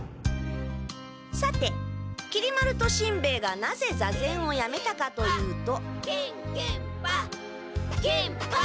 さてきり丸としんべヱがなぜ座禅をやめたかというとけんけんぱ！